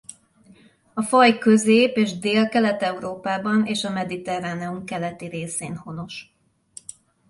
A faj Közép- és Délkelet-Európában és a Mediterráneum keleti részén honos.